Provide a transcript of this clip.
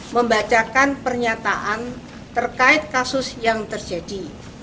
membacakan pernyataan terkait kasus yang terjadi